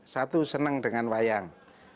satu senang dengan wayang